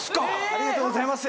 ありがとうございます。